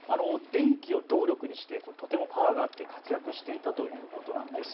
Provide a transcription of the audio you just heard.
電気を動力にしてとてもパワーがあって活躍していたということなんです。